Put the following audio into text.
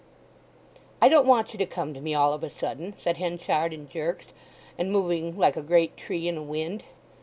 "I don't want you to come to me all of a sudden," said Henchard in jerks, and moving like a great tree in a wind.